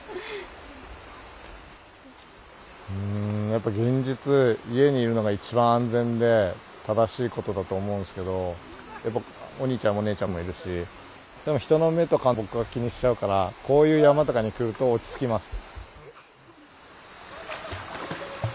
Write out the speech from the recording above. やっぱ現実、家にいるのが一番安全で、正しいことだと思うんですけれども、やっぱお兄ちゃんもお姉ちゃんもいるし、でも人の目とか、気にしちゃうから、こういう山とかに来ると落ち着きます。